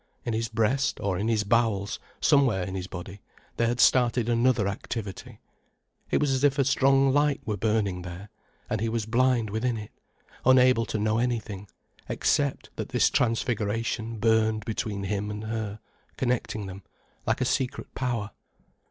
In his breast, or in his bowels, somewhere in his body, there had started another activity. It was as if a strong light were burning there, and he was blind within it, unable to know anything, except that this transfiguration burned between him and her, connecting them, like a secret power.